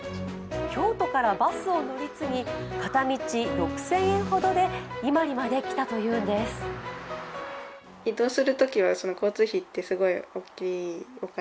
京都からバスを乗り継ぎ片道６０００円ほどで伊万里まで来たというんです。